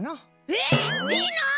えっいいの！？